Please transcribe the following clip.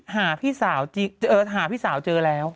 หาพี่สาวเจอแล้ว